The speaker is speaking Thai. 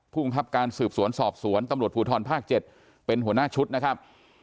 ภูมิครับการสืบสวนสอบสวนตำรวจภูทรภาค๗เป็นหัวหน้าชุดนะครับ